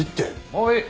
もういい。